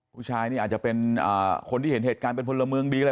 ผู้ชายนี่อาจจะเป็นคนที่เห็นเหตุการณ์เป็นพลเมืองดีอะไร